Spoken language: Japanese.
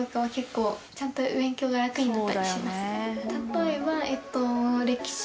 例えばえっと。